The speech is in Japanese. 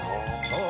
あ！